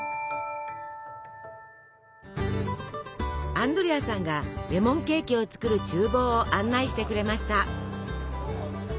アンドレアさんがレモンケーキを作るちゅう房を案内してくれました。